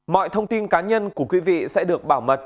mọi thông tin cá nhân của quý vị sẽ được bảo mật